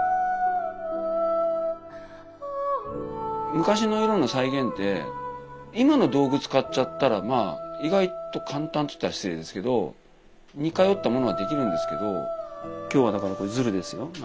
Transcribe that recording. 昔の色の再現って今の道具使っちゃったら意外と簡単といったら失礼ですけど似通ったものができるんですけど今日はだからこれズルですよ。